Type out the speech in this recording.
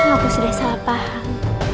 aku sudah salah paham